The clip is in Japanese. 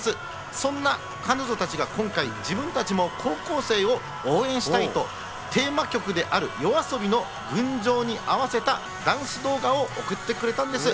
そんな彼女たちが今回、自分たちも高校生を応援したいと、テーマ曲であるＹＯＡＳＯＢＩの『群青』に合わせたダンス動画を送ってくれたんです。